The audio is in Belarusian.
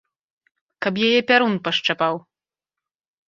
Каб яе пярун пашчапаў!